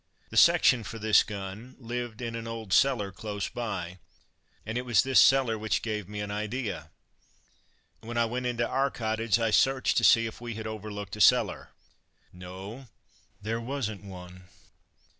The section for this gun lived in the old cellar close by, and it was this cellar which gave me an idea. When I went into our cottage I searched to see if we had overlooked a cellar. No, there wasn't one.